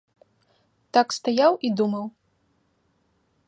Так стаяў і думаў.